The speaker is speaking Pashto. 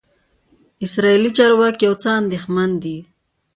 اسرائیلي چارواکي یو څه اندېښمن دي.